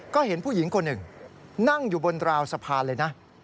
ก็เห็นผู้หญิงคนหนึ่งนั่งอยู่บนราวสะพานเลยนะ